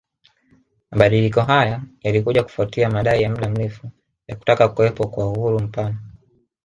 Mabadiliko haya yalikuja kufuatia madai ya muda mrefu ya kutaka kuwepo kwa uhuru mpana